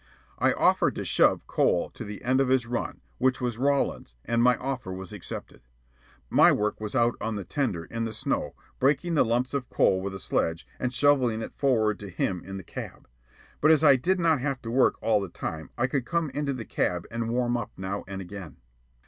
I offered to "shove" coal to the end of his run, which was Rawlins, and my offer was accepted. My work was out on the tender, in the snow, breaking the lumps of coal with a sledge and shovelling it forward to him in the cab. But as I did not have to work all the time, I could come into the cab and warm up now and again.